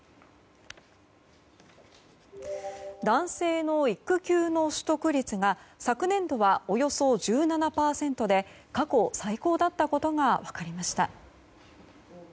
男性の育休の取得率が昨年度はおよそ１７％で過去最高だったことが分かりました。